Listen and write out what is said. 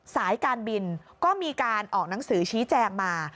สายการบินก็มีการออกหนังสือชี้แจงมา